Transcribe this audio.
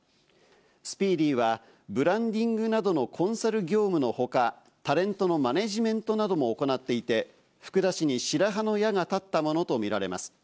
スピーディはブランディングなどのコンサル業務の他、タレントのマネジメントなども行っていて、福田氏に白羽の矢が立ったものとみられます。